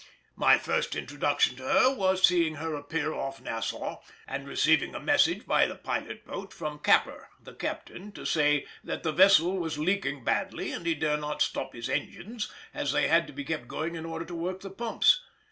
My first introduction to her was seeing her appear off Nassau, and receiving a message by the pilot boat, from Capper, the captain, to say that the vessel was leaking badly and he dare not stop his engines, as they had to be kept going in order to work the pumps.